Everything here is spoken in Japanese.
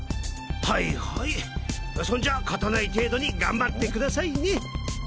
はいはいそんじゃ勝たない程度に頑張ってくださいね。